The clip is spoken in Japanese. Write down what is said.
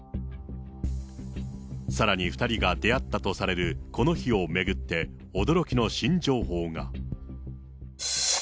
さらに２人が出会ったとされるこの日を巡って、驚きの新情報が。